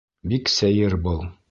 Бик сәйер был...